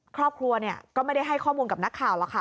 ครอบครัวก็ไม่ได้ให้ข้อมูลกับนักข่าวหรอกค่ะ